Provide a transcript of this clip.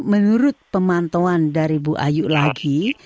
menurut pemantauan dari bu ayu lagi